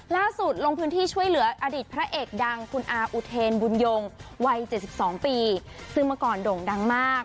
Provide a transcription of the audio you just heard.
ล่าสุดลงพื้นที่ช่วยเหลืออดิตพระเอกดังคุณอาอุเทนบุญยงวัยเจ็ดสิบสองปีซึ่งมาก่อนด่งดังมาก